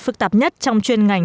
hiện các trung tâm